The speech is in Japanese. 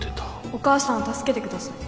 お母さんを助けてください